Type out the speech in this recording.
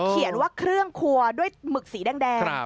เขียนว่าเครื่องครัวด้วยหมึกสีแดง